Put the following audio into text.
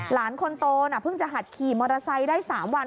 หลานคนโตน่ะเพิ่งจะหัดขี่มอเตอร์ไซค์ได้๓วัน